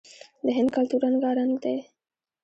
د هند کلتور رنګارنګ دی.